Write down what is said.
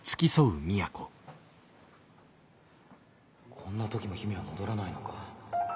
こんな時も姫は戻らないのか？